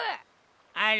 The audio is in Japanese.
あれ？